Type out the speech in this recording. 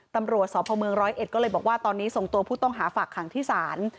ตำรวจสบ๑๐๑ก็เลยบอกว่าตอนนี้ส่งตัวผู้ต้องหาฝากขังที่ศาล